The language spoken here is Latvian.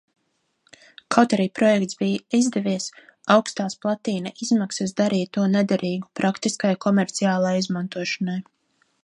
Kaut arī projekts bija izdevies, augstās platīna izmaksas darīja to nederīgu praktiskai komerciālai izmantošanai.